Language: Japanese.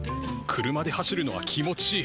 車で走るのは気持ちいい。